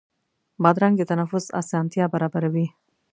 بادرنګ د تنفس اسانتیا برابروي.